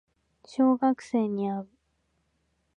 小学生に会う